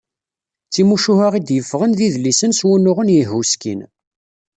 D timucuha i d-yeffɣen d idlisen s wunuɣen yehhuskin.